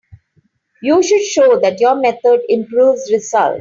You should show that your method improves results.